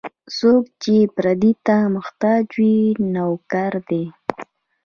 څوک چې پردي ته محتاج وي، نوکر دی.